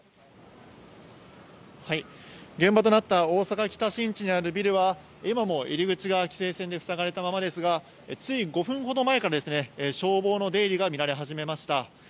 現場となった大阪・北新地にあるビルは、今も入り口が規制線で塞がれたままですが、つい５分ほど前からですね、消防の出入りが見られ始めました。